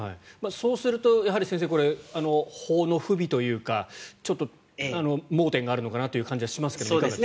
そうすると先生法の不備というか盲点があるのかなという感じがしますが。